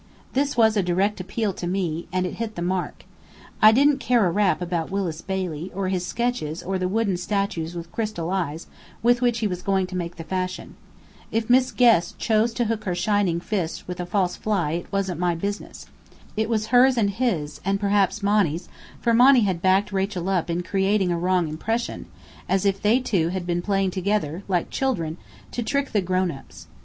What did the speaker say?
This was a direct appeal to me; and it hit the mark. I didn't care a rap about Willis Bailey, or his sketches or the wooden statues with crystal eyes which he was going to make the fashion. If Miss Guest chose to hook her shining fish with a false fly it wasn't my business. It was hers and his, and perhaps Monny's, for Monny had backed Rachel up in creating a wrong impression, as if they two had been playing together, like children, to trick the grown ups.